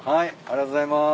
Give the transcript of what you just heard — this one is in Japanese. ありがとうございます。